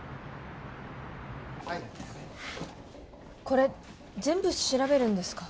これ全部調べるんですか？